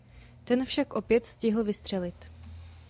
Ten však opět stihl vystřelit.